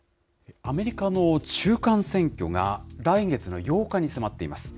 アメリカの中間選挙が来月の８日に迫っています。